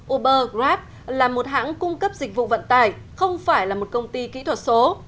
uber grab là một hãng cung cấp dịch vụ vận tải không phải là một công ty kỹ thuật số